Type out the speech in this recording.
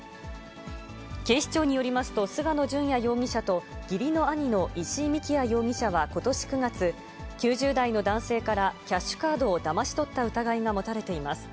警視庁によりますと、菅野隼也容疑者と義理の兄の石井幹也容疑者はことし９月、９０代の男性からキャッシュカードをだまし取った疑いが持たれています。